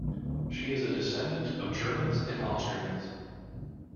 She is a descendant of Germans and Austrians.